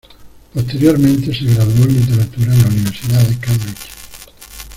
Posteriormente se graduó en literatura en la Universidad de Cambridge.